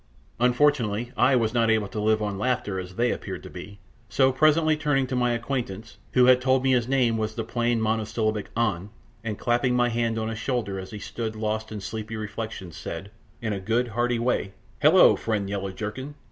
Unfortunately I was not able to live on laughter, as they appeared to be, so presently turning to my acquaintance, who had told me his name was the plain monosyllabic An, and clapping my hand on his shoulder as he stood lost in sleepy reflection, said, in a good, hearty way, "Hullo, friend Yellow jerkin!